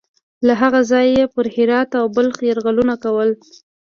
له هغه ځایه یې پر هرات او بلخ یرغلونه کول.